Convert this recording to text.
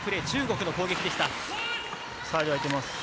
中国の攻撃でした。